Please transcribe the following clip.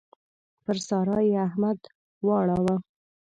پر سارا يې احمد واړاوو.